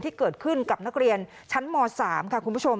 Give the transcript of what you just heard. ที่เกิดขึ้นกับนักเรียนชั้นม๓ค่ะคุณผู้ชม